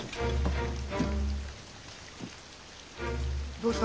どうした？